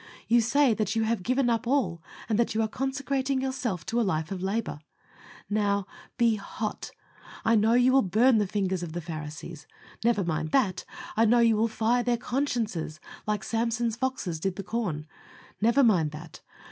You say that you have given up all, and that you are consecrating yourself to a life of labor. Now, be hot. I know you will burn the fingers of the Pharisees. Never mind that. I know you will fire their consciences, like Samson's foxes did the corn. Never mind that.